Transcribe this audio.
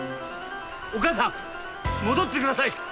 お母さん戻ってください！